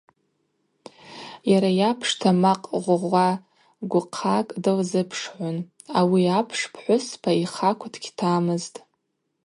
Йара йапшта макъ гъвгъва гвыхъакӏ дылзыпшгӏун, ауи апш пхӏвыспа йхакв дгьтамызтӏ.